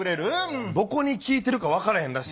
どこに効いてるか分からへんらしいねんな。